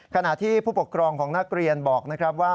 ขณะที่ผู้ปกครองของนักเรียนบอกนะครับว่า